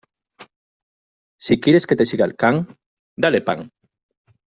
Si quieres que te siga el can, dale pan.